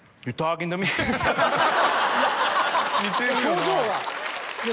表情が。